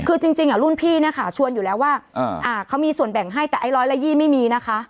คือจริงรุ่นพี่เนี่ยค่ะชวนอยู่แล้วว่าเขามีส่วนแบ่งให้แต่ไอ้ร้อยละ๒๐ไม่มีนะคะ